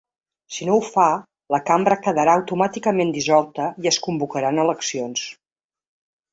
Si no ho fa, la cambra quedarà automàticament dissolta i es convocaran eleccions.